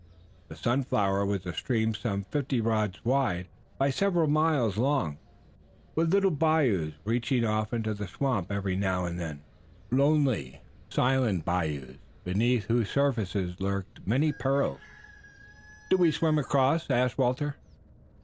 The Sunflower was a stream some fifteen rods wide by several miles long, with little bayous reaching off into the swamp every now and then, lonely, silent bayous, beneath whose surfaces lurked many perils. "Do we swim across?" asked Walter.